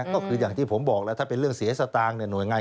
ก็คืออย่างที่ผมบอกแล้วถ้าเป็นเรื่องเสียสตางค์หน่วยงาน